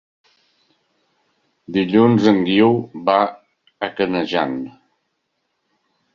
Dilluns en Guiu va a Canejan.